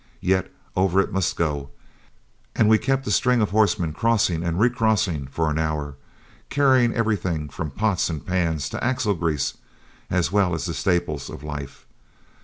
Yet over it must go, and we kept a string of horsemen crossing and recrossing for an hour, carrying everything from pots and pans to axle grease, as well as the staples of life.